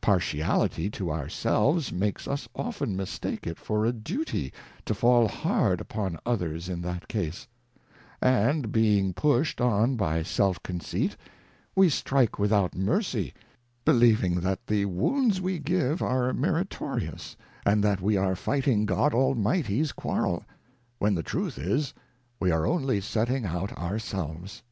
Partiality to our selves makes us often mistake it for a Duty, to fall hard upon others in that ease; and being push'd on by Self conceit, we strike without mercy, believing that the Wounds we give are Meritorious, and that we are fighting God Almighty's Quarrel ; when the truth is, we are only setting out our selves.